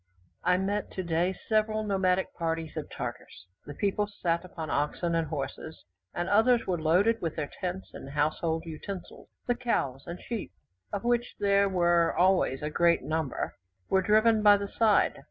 I met, today, several nomadic parties of Tartars. The people sat upon oxen and horses, and others were loaded with their tents and household utensils; the cows and sheep, of which there were always a great number, were driven by the side.